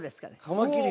カマキリ